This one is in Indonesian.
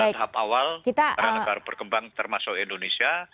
pada tahap awal negara negara berkembang termasuk indonesia